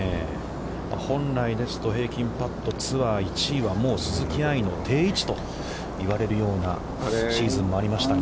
本来ですと平均パット、ツアー１位はもう鈴木愛の定位置と言われるようなシーズンもありましたが。